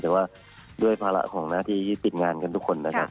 แต่ว่าด้วยภาระของหน้าที่ติดงานกันทุกคนนะครับ